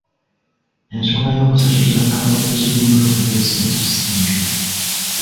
Ensonga y'okusasuza abavuzi b'emmotoka layisinsi ssi mpya.